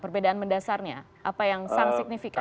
perbedaan mendasarnya apa yang sangat signifikan